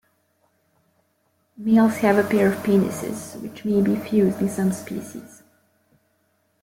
Males have a pair of penises, which may be fused in some species.